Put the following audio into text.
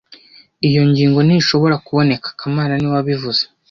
Iyo ngingo ntishobora kuboneka kamana niwe wabivuze